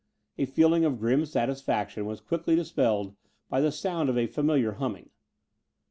A feeling of grim satisfaction was quickly dispelled by the sound of a familiar humming.